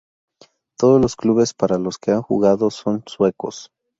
Todos los clubes para los que ha jugado son suecos.